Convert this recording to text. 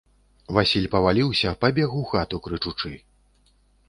Васіль паваліўся, пабег у хату крычучы.